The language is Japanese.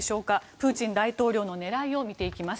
プーチン大統領の狙いを見ていきます。